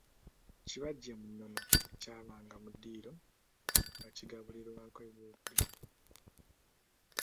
Kibajje mu nnono ekyabanga mu ddiiro nga kigabulirwako ebyokulya.